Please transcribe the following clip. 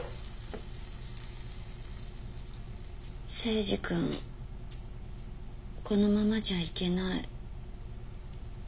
征二君このままじゃいけない。